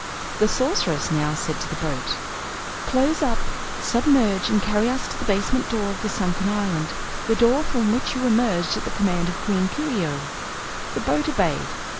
The Sorceress now said to the boat: "Close up, submerge and carry us to the basement door of the sunken island the door from which you emerged at the command of Queen Coo ee oh." The boat obeyed.